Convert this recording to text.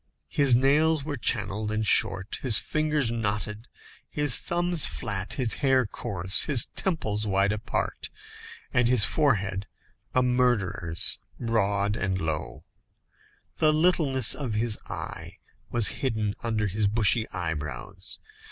His nails were channelled and short, his fingers knotted, his thumbs flat, his hair coarse, his temples wide apart, and his forehead a murderer's, broad and low. The littleness of his eye was hidden under his bushy eyebrows.